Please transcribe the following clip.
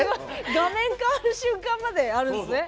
画面変わる瞬間まであるんですね。